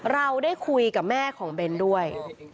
เราได้คุยกับแม่ของเบนด้วย